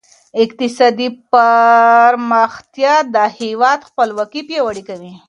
اقتصادي پرمختيا د هېواد خپلواکي پياوړې کوي.